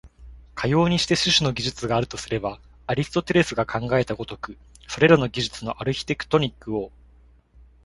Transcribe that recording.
かようにして種々の技術があるとすれば、アリストテレスが考えた如く、それらの技術のアルヒテクトニックを、